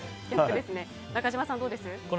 中島さん、どうですか？